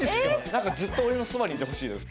なんかずっと俺のそばにいてほしいです。